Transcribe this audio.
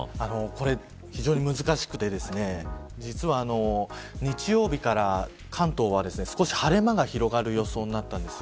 これ、非常に難しくて日曜日から関東は少し晴れ間が広がる予想になったんです。